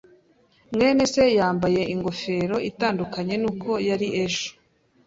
mwene se yambaye ingofero itandukanye nuko yari ejo.